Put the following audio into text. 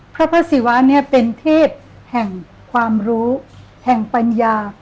พระสิวะเป็นเทพแห่งความรู้แห่งปัญญา